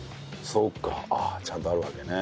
そっかちゃんとあるわけね。